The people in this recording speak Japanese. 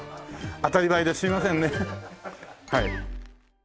当たり前ですみませんねはい。